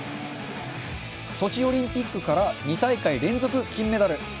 ソチオリンピックから２大会連続金メダル。